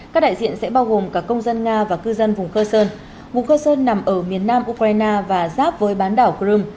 các đại diện sẽ bao gồm cả công dân nga và cư dân vùng khơ sơn vùng khơ sơn nằm ở miền nam ukraine và giáp với bán đảo crimea